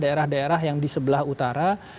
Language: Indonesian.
daerah daerah yang di sebelah utara